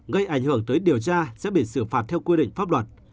gây ảnh hưởng tới điều tra sẽ bị xử phạt theo quy định pháp luật